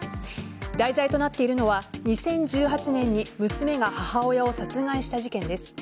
題材となっているのは２０１８年に娘が母親を殺害した事件です。